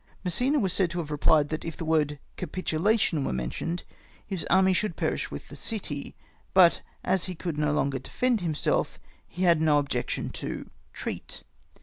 Massena was said to have rephed that if the word " capitulation " Avere mentioned his army should perish with the city ; but, as he could no longer defend himself, he had no objection to " treat."